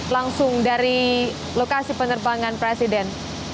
langsung dari lokasi penerbangan presiden